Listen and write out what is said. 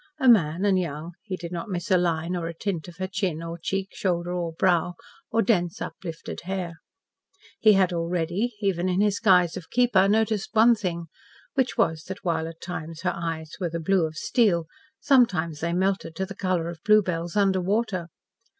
A man and young, he did not miss a line or a tint of her chin or cheek, shoulder, or brow, or dense, lifted hair. He had already, even in his guise of keeper, noticed one thing, which was that while at times her eyes were the blue of steel, sometimes they melted to the colour of bluebells under water.